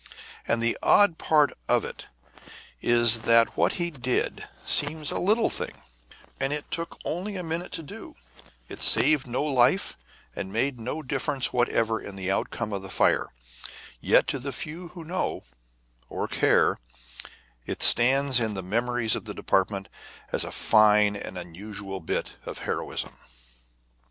And the odd part of it is that what he did seems a little thing, and it took only a minute to do, and it saved no life and made no difference whatever in the outcome of the fire, yet to the few who know or care it stands in the memories of the department as a fine and unusual bit of heroism.